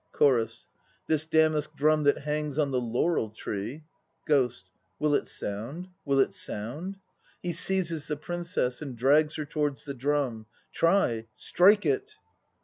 2 CHORUS. This damask drum that hangs on the laurel tree GHOST. Will it sound, will it sound? (He seizes the PRINCESS and drags her towards the drum.) Try! Strike it!